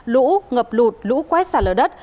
lũ ngập lụt lũ quét xả lở đất